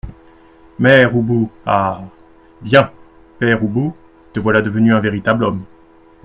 Mère Ubu Ah ! bien, Père Ubu, te voilà devenu un véritable homme.